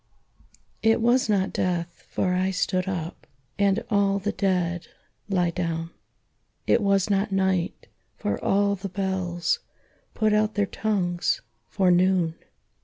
XXXV. It was not death, for I stood up, And all the dead lie down; It was not night, for all the bells Put out their tongues, for noon.